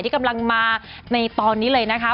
ที่กำลังมาในตอนนี้เลยนะคะ